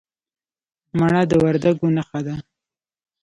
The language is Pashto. مڼه د وردګو نښه ده.